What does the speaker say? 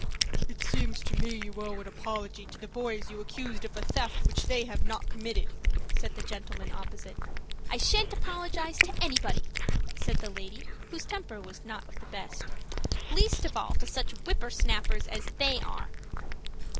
"It seems to me you owe an apology to the boys you accused of a theft which they have not committed," said the gentleman opposite. "I shan't apologize to anybody," said the lady, whose temper was not of the best; "least of all to such whipper snappers as they are."